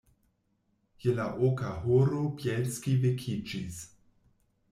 Je la oka horo Bjelski vekiĝis.